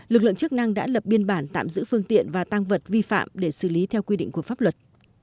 lực lượng chức năng đã lập biên bản tạm giữ phương tiện và tăng vật vi phạm để xử lý theo quy định của pháp luật